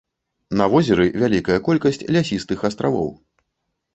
На возеры вялікая колькасць лясістых астравоў.